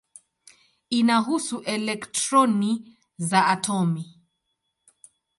Inahusu elektroni za atomu.